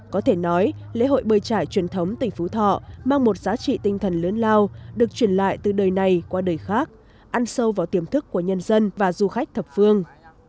có thể nói lễ hội bơi trải truyền thống tỉnh phú thọ mang một giá trị tinh thần lớn lao được truyền lại từ đời này qua đời khác ăn sâu vào tiềm thức của nhân dân và du khách thập phương